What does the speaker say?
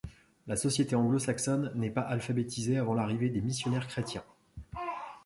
La société anglo-saxonne n'est pas alphabétisée avant l'arrivée des missionnaires chrétiens.